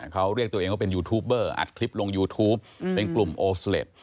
เขาเรียกตัวเองว่าเป็นยูทูปเบอร์อัดคลิปลงยูทูปเป็นกลุ่มโอสเล็ต